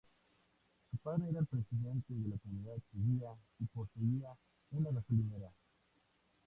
Su padre era el presidente de la comunidad judía y poseía una gasolinera.